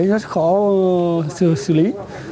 rất khó xử lý